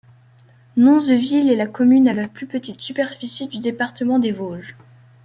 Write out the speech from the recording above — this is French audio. Nonzeville est la commune à la plus petite superficie du département des Vosges.